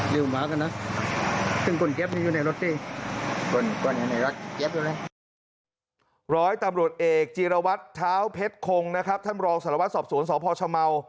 ร้อยตำรวจเอกจีรวัตรเท้าเพชรคงนะครับท่านรองสารวัตรสอบสวนสพชเมา